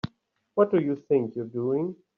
What do you think you're doing?